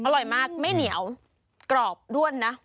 อร่อยมากไม่เหนียวกรอบด้วนนะ